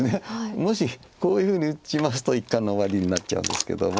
もしこういうふうに打ちますと一巻の終わりになっちゃうんですけども。